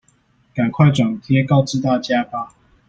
趕快轉貼告知大家吧！